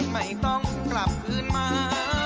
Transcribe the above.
ไม่ต้องกลับคืนมา